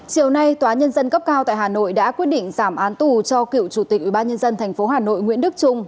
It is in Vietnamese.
chiều nay tòa nhân dân cấp cao tại hà nội đã quyết định giảm án tù cho cựu chủ tịch ủy ban nhân dân thành phố hà nội nguyễn đức trung